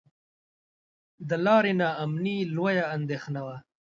د لارې نا امني لویه اندېښنه وه.